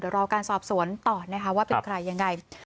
เดี๋ยวรอการสอบสวนต่อนะคะว่าเป็นใครยังไง